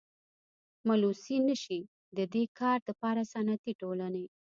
ملوثي نشي ددي کار دپاره صنعتي ټولني.